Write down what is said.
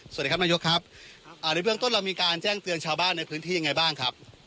สวัสดีครับนายกครับอ่าในเบื้องต้นเรามีการแจ้งเตือนชาวบ้านในพื้นที่ยังไงบ้างครับ